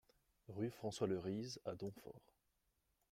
Rue François Le Rees à Domfront